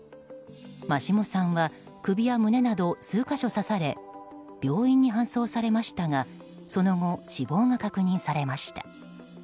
真下さんは首や胸など数か所刺され病院に搬送されましたがその後、死亡が確認されました。